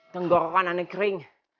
tenggorokan saya kering